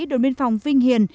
đội biên phòng vinh hiền